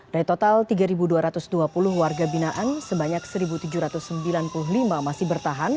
dari total tiga dua ratus dua puluh warga binaan sebanyak satu tujuh ratus sembilan puluh lima masih bertahan